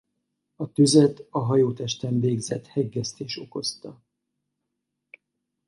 A tüzet a hajótesten végzett hegesztés okozta.